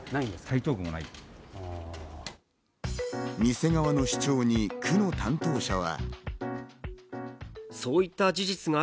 店側の主張に区の担当者は。